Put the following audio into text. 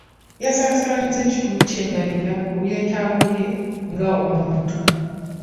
Yasaasaanyizza ekitundu ky'embalirira ku byetaago bye nga omuntu.